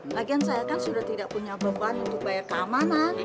bagian saya kan sudah tidak punya beban untuk bayar keamanan